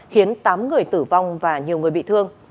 khiến tám người tử vong và nhiều người bị thương